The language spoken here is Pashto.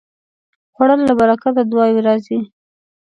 خوړل له برکته دعاوې راځي